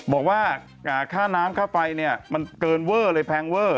บอกว่าค่าน้ำค่าไฟเนี่ยมันเกินเวอร์เลยแพงเวอร์